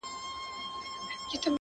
• چيري ترخه بمبل چيري ټوکيږي سره ګلونه,